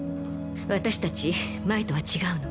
私たち前とは違うの。